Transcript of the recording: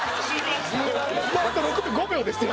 あと６５秒ですよ。